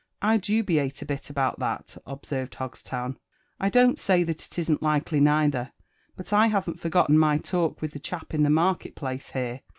.! dubiate a bit about that," observed Hogstown; I don't say that it isn't likely neither ; but I haven't forgotten my talk with the chap in the market place here.